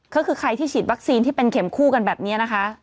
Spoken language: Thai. ก็คือใครที่ฉีดวัคซีนที่เป็นเข็มคู่กันแบบนี้นะคะ